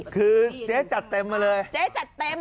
คือเจ๊จัดเต็มมาเลย